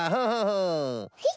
はい。